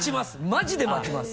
マジで待ちます！